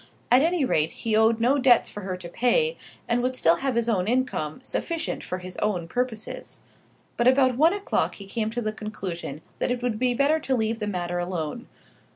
At any rate he owed no debts for her to pay, and would still have his own income, sufficient for his own purposes. But about one o'clock he came to the conclusion that it would be better to leave the matter alone.